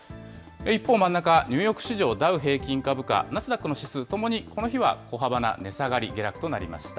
一方、真ん中、ニューヨーク市場ダウ平均株価、ナスダックの指数ともにこの日は小幅な値下がり、下落となりました。